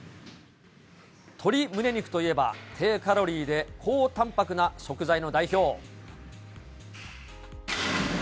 鶏むね肉といえば、低カロリーで高たんぱくな食材の代表。